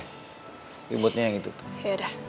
ributnya yang itu tuh